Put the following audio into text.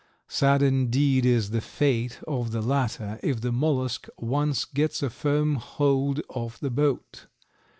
Sad indeed is the fate of the latter if the mollusk once gets a firm hold of the boat.